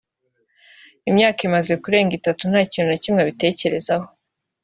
imyaka imaze kurenga itanu nta kintu na kimwe abitekerezaho